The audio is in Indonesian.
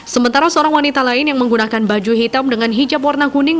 sementara seorang wanita lain yang menggunakan baju hitam dengan hijab warna kuning